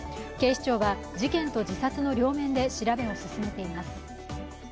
警視庁は事件と自殺の両面で調べを進めています。